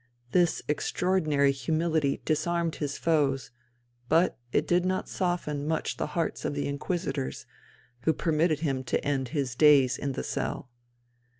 This extraordinary humility disarmed his foes, but it did not soften much the hearts of the Inquisitors, who permitted him to end his days in the cell.